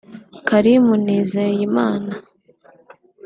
Karim Nizigiyamana